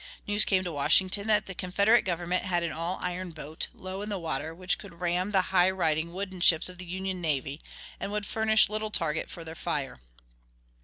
News came to Washington that the Confederate government had an all iron boat, low in the water, which could ram the high riding wooden ships of the Union navy, and would furnish little target for their fire.